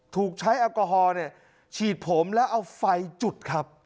ถูกใช้แอลกอฮอล์ฉีดผมแล้วเอาไฟจุดครับ